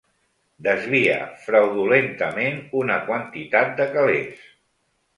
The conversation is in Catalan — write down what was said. Desvia fraudulentament una quantitat de calés.